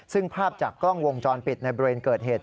ซึ่งภาพจากกล้องวงจรปิดในบริเวณเกิดเหตุ